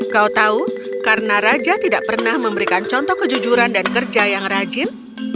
kau tahu karena raja tidak pernah memberikan contoh kejujuran dan kerja yang rajin